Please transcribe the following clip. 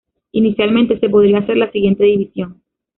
Inicialmente se podría hacer la siguiente división.